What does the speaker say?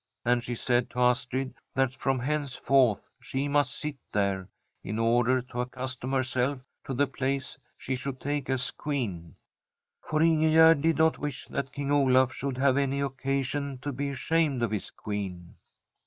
And she said to Astrid that from henceforth she must sit there, in order to accustom herself to the place she ASTRID should take as Queen. For Ingegerd did not wish that King Olaf should have any occasion to be ashamed of his Queen.